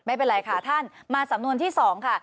ไม่เป็นไรค่ะท่านมาสำนวนที่๒ค่ะ